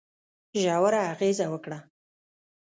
ژوره اغېزه وکړه.